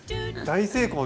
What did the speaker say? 大成功！